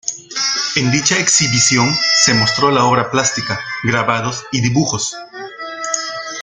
En dicha exhibición se mostró la obra plástica, grabados y dibujos.